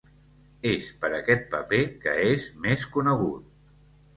És per aquest paper que és més conegut.